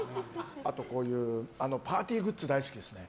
あと、パーティーグッズ大好きですね。